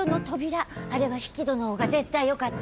あれは引き戸のほうが絶対よかった。